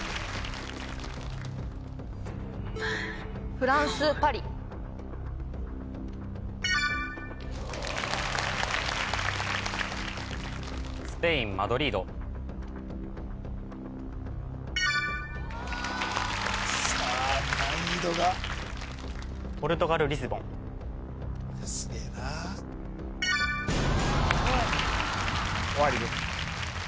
フランス・パリスペイン・マドリードさあ難易度がポルトガル・リスボンすげえな・終わりです